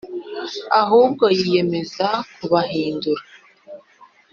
Ahubwo biyemeza kubahindura